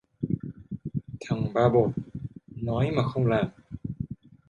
Thằng ba bột, nói mà không làm